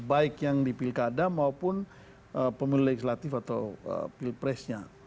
baik yang di pilkada maupun pemilu legislatif atau pilpresnya